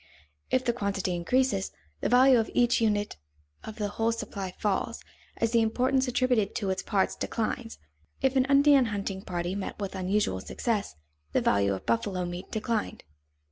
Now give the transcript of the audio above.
If the quantity increases, the value of each unit of the whole supply falls, as the importance attributed to its parts declines. If an Indian hunting party met with unusual success, the value of buffalo meat declined.